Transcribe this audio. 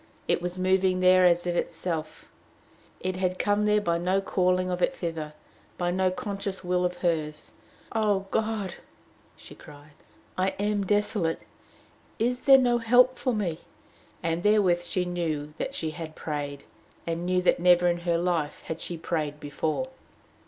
It was moving there as of itself. It had come there by no calling of it thither, by no conscious will of hers. "O God," she cried, "I am desolate! Is there no help for me?" And therewith she knew that she had prayed, and knew that never in her life had she prayed before.